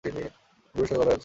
গুরুর সাথে কথা আছে।